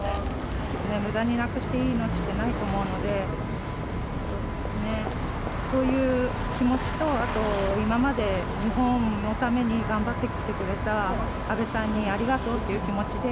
むだになくしていい命ってないと思うので、そういう気持ちと、あと、今まで日本のために頑張ってきてくれた安倍さんにありがとうっていう気持ちで。